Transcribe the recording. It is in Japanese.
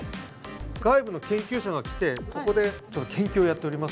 外部の研究者が来てここで研究をやっておりますので。